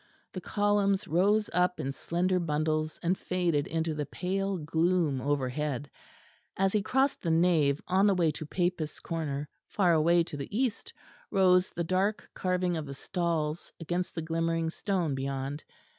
The columns rose up in slender bundles and faded into the pale gloom overhead; as he crossed the nave on the way to Papists' Corner far away to the east rose the dark carving of the stalls against the glimmering stone beyond.